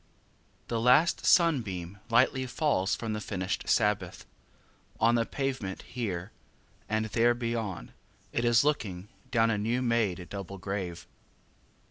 The last sunbeam Lightly falls from the finished Sabbath On the pavement here and, there beyond, it is looking Down a new made double grave.